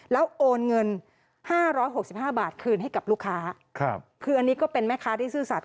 แล้วโอนเงิน๕๖๕บาทคืนให้กับลูกค้าคืออันนี้ก็เป็นแม่ค้าที่ซื่อสัตว